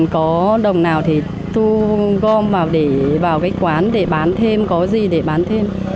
có đồng nào thì tu gom vào quán để bán thêm có gì để bán thêm